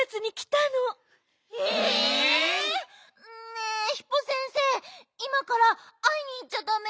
ねえヒポ先生いまからあいにいっちゃだめ？